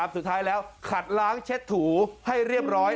สุดท้ายแล้วขัดล้างเช็ดถูให้เรียบร้อย